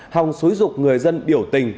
hòng xối dục người dân biểu tình